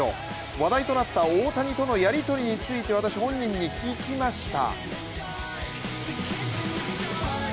話題となった大谷とのやり取りについて、私、本人に聞きました。